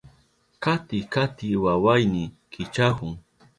Kati kati wawayni kichahun.